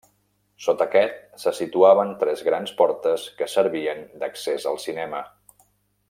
Sota aquest se situaven tres grans portes que servien d'accés al cinema.